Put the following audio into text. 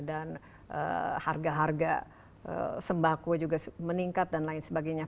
dan harga harga sembako juga meningkat dan lain sebagainya